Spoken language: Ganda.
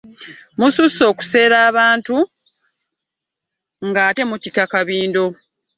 Mususse okuseera abantu ng'ate mutikka kabindo.